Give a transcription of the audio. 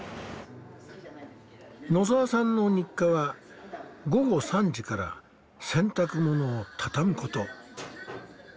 野澤さんの日課は午後３時から洗濯物を畳むこと。